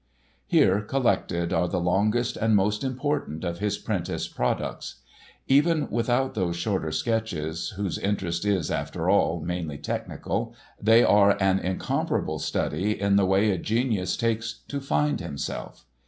Here collected are the longest and most important of his prentice products. Even without those shorter sketches whose interest is, after all, mainly technical, they are an incomparable study in the way a genius takes to find himself.